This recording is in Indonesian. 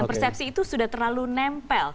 karena sudah terlalu nempel